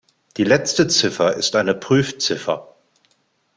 Die letzte Ziffer ist eine Prüfziffer.